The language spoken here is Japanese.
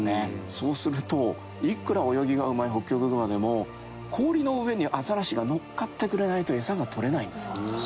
そうするといくら泳ぎがうまいホッキョクグマでも氷の上にアザラシがのっかってくれないと餌が取れないんですよ。